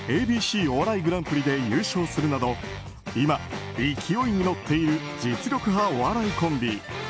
ＡＢＣお笑いグランプリで優勝するなど今、勢いに乗っている実力派お笑いコンビ